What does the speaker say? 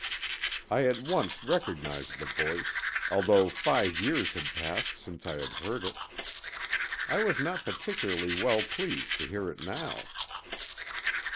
I at once recognized the voice, although five years had passed since I had heard it. I was not particularly well pleased to hear it now.